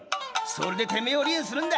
それで手前えを離縁するんだ。